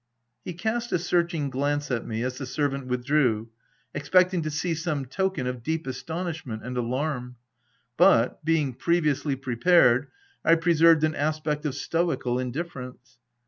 He cast a searching glance at me, as the servant with drew, expecting to see some token of deep as tonishment and alarm ; but, being previously prepared, I preserved an aspect of stoical in difference.